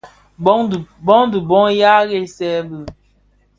Bông di bông yàa weesën bi.